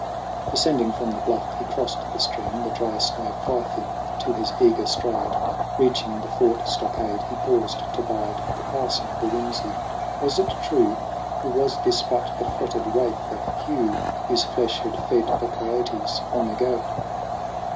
Descending from the bluff, he crossed the stream, The dry snow fifing to his eager stride. Reaching the fort stockade, he paused to bide The passing of a whimsy. Was it true ? Or was this but the fretted wraith of Hugh Whose flesh had fed the kiotes long ago